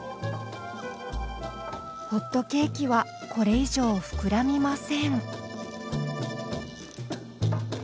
ホットケーキはこれ以上膨らみません。